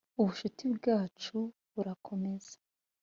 ubucuti bwacu burakomeza,